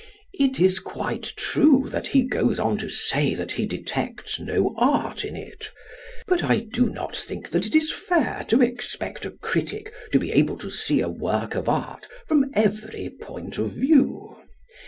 It is quite true that he goes on to say that he detects no art in it. But I do not think that it is fair to expect a critic to be able to see a work of art from every point of view.